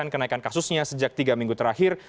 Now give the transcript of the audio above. kenaikan kasusnya sejak tiga minggu terakhir